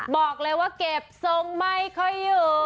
บอกเลยว่าเก็บทรงไม่ค่อยอยู่